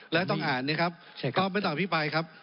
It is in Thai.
แล้วต้องอ่านนะครับก็ไม่ต้องอภิปรายครับ